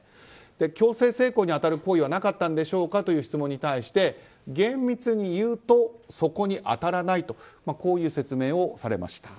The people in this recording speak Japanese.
強制性交に当たる行為はなかったのかという質問に対して厳密にいうとそこに当たらないとこういう説明をされました。